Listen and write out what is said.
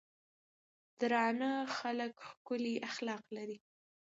درانۀ خلک ښکلي اخلاق لري.